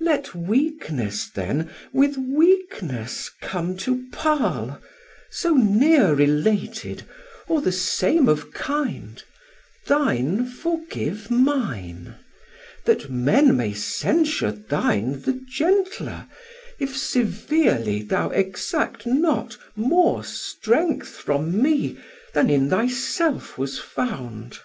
Let weakness then with weakness come to parl So near related, or the same of kind, Thine forgive mine; that men may censure thine The gentler, if severely thou exact not More strength from me, then in thy self was found.